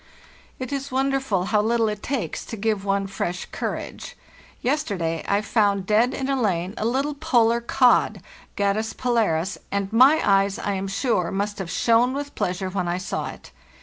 "It is wonderful how little it takes to give one fresh courage. Yesterday I found dead in a lane a little polar cod (Gadus polaris), and my eyes, I am sure, must have shone with pleasure when I saw it.